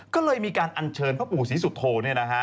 ก็เลยมีการอัญเชิญพระปู่ศรีสุธโธเนี่ยนะฮะ